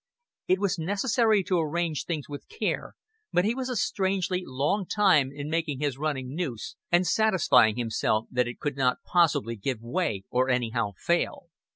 It was necessary to arrange things with care, but he was a strangely long time in making his running noose and satisfying himself that it could not possibly give way or anyhow fail.